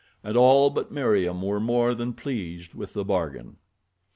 And all but Meriem were more than pleased with the bargain.